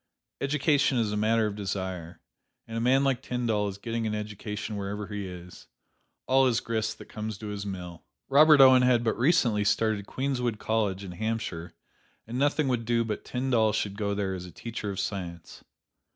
Education is a matter of desire, and a man like Tyndall is getting an education wherever he is. All is grist that comes to his mill. Robert Owen had but recently started "Queenswood College" in Hampshire, and nothing would do but Tyndall should go there as a teacher of science.